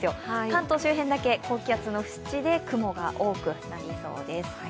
関東周辺だけ高気圧の縁で雲が多くなりそうです。